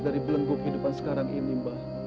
dari belengguk kehidupan sekarang ini mbah